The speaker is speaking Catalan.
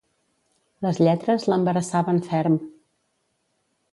Les lletres l'embarassaven ferm.